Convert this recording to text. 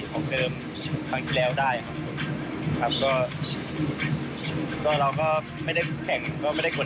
น้องปิ่นอัญชญาเกดแก้วค่ะเงือกสาววัยเพียงแค่๑๗ปี